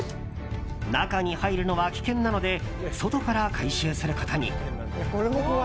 中に入るのは危険なので外から回収することに。